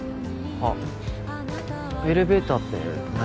あっエレベーターって何？